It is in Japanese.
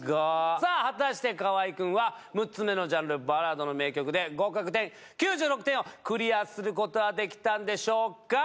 さぁ果たして河合君は６つ目のジャンルバラードの名曲で合格点９６点をクリアすることはできたんでしょうか？